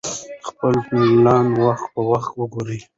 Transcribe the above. خپل پلان وخت په وخت وګورئ.